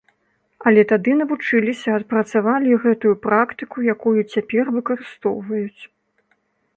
Але тады навучыліся, адпрацавалі гэтую практыку, якую цяпер выкарыстоўваюць.